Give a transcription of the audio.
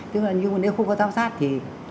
nhưng mà nếu không có giám sát thì